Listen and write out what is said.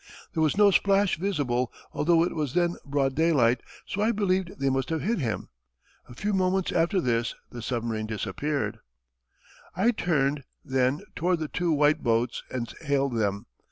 There was no splash visible, although it was then broad daylight; so I believe they must have hit him. A few moments after this the submarine disappeared. "I turned, then, toward the two white boats and hailed them.